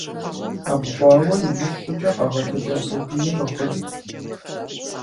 Абгъуауэ имыщӀ щӀыкӀэ къагъэтэджа сабийр гъырт.